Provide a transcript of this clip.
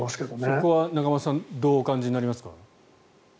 そこは仲正さんどうお感じになりますか？